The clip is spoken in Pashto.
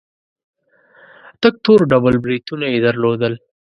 تک تور ډبل برېتونه يې درلودل.